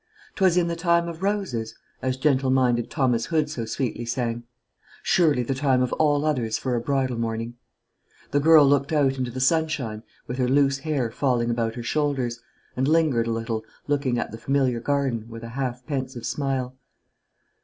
"'Twas in the time of roses," as gentle minded Thomas Hood so sweetly sang; surely the time of all others for a bridal morning. The girl looked out into the sunshine with her loose hair falling about her shoulders, and lingered a little looking at the familiar garden, with a half pensive smile.